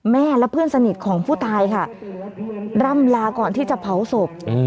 แม่และเพื่อนสนิทของผู้ตายค่ะร่ำลาก่อนที่จะเผาศพ